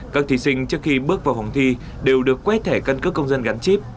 các thí sinh trước khi bước vào phòng thi đều được quét thẻ căn cước công dân gắn chip